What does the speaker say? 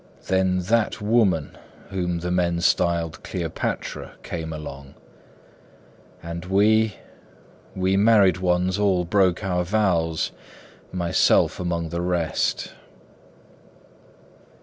Then that woman, whom the men Styled Cleopatra, came along. And we—we married ones All broke our vows, myself among the rest.